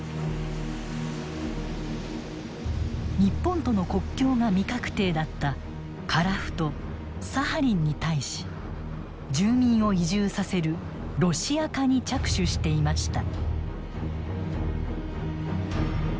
日本との国境が未確定だった樺太サハリンに対し住民を移住させるロシア化に着手していました。